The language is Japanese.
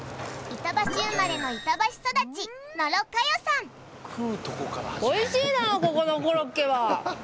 板橋生まれの板橋育ちおいしいなここのコロッケは！